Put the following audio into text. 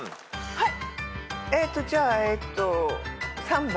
はい。